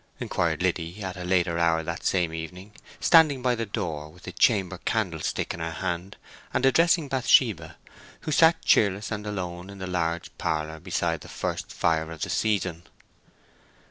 inquired Liddy, at a later hour the same evening, standing by the door with a chamber candlestick in her hand and addressing Bathsheba, who sat cheerless and alone in the large parlour beside the first fire of the season.